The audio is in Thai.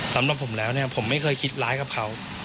สำหรับผมแล้วเนี่ยผมไม่เคยคิดร้ายกับเขา